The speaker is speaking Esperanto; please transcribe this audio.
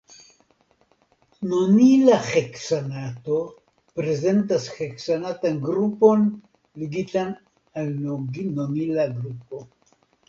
Nonila heksanato prezentas heksanatan grupon ligitan al nonila grupo.